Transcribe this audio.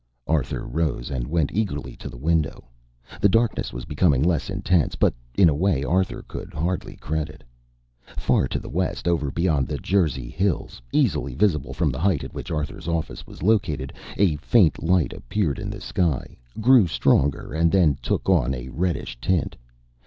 Arthur rose and went eagerly to the window. The darkness was becoming less intense, but in a way Arthur could hardly credit. Far to the west, over beyond the Jersey hills easily visible from the height at which Arthur's office was located a faint light appeared in the sky, grew stronger and then took on a reddish tint.